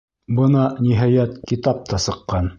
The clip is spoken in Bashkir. Бына, ниһайәт, китап та сыҡҡан!